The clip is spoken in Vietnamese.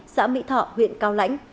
xã mỹ thọ huyện cao lãnh